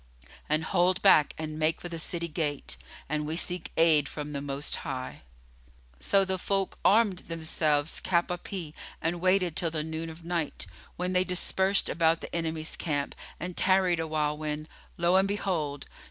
and hold back and make for the city gate; and we seek aid from the Most High." So the folk armed themselves cap à pie and waited till the noon of night, when they dispersed about the enemy's camp and tarried awhile when, lo and behold!